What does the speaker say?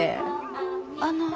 あの。